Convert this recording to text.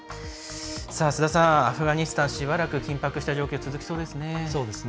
アフガニスタンしばらく緊迫した状況続きそうですね。